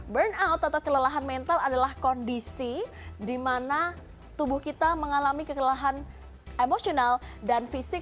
burnout atau kelelahan mental adalah kondisi di mana tubuh kita mengalami kekelahan emosional dan fisik